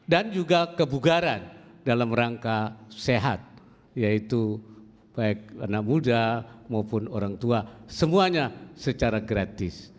dan juga kebugaran dalam rangka sehat yaitu baik anak muda maupun orang tua semuanya secara gratis